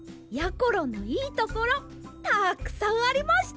ころのいいところたくさんありました！